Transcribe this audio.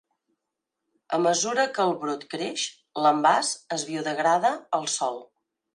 A mesura que el brot creix, l'envàs es biodegrada al sòl.